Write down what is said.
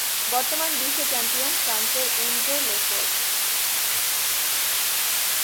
বর্তমান বিশ্ব চ্যাম্পিয়ন ফ্রান্সের এনজো লেফর্ট।